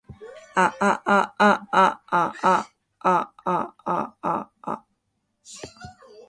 あああああああああああ